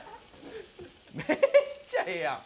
めっちゃええやん！